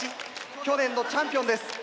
去年のチャンピオンです。